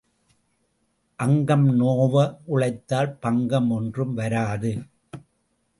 அங்கம் நோவ உழைத்தால் பங்கம் ஒன்றும் வராது.